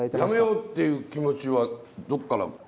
やめようっていう気持ちはどっから。